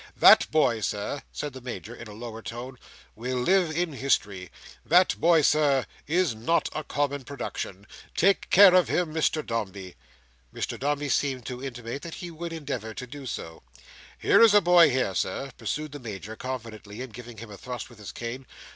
That boy, Sir," said the Major in a lower tone, "will live in history. That boy, Sir, is not a common production. Take care of him, Mr Dombey." Mr Dombey seemed to intimate that he would endeavour to do so. "Here is a boy here, Sir," pursued the Major, confidentially, and giving him a thrust with his cane.